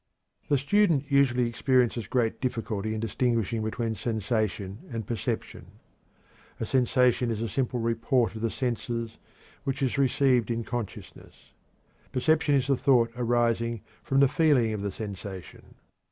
The student usually experiences great difficulty in distinguishing between sensation and perception. A sensation is a simple report of the senses, which is received in consciousness. Perception is the thought arising from the feeling of the sensation.